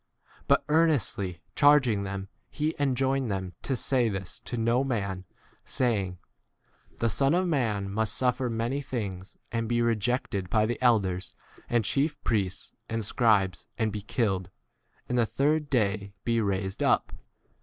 But, earnestly charging them, he enjoined [them] to say this to no man, saying, 22 The Son of man must suffer many things, and be rejected by the elders and chief priests and scribes, and be killed, and the 23 third day be raised up.